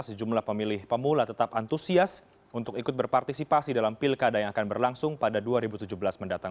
sejumlah pemilih pemula tetap antusias untuk ikut berpartisipasi dalam pilkada yang akan berlangsung pada dua ribu tujuh belas mendatang